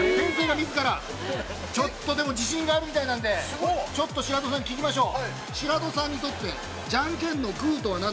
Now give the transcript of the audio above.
みずからちょっとでも、自信があるみたいなんで、ちょっと白土さんに聞きましょう。